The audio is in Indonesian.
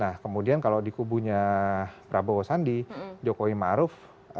nah kemudian kalau di kubunya prabowo sandi jokowi maruf